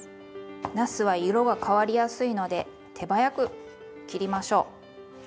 なすは色が変わりやすいので手早く切りましょう。